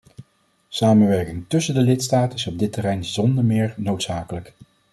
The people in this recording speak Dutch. Samenwerking tussen de lidstaten is op dit terrein zonder meer noodzakelijk.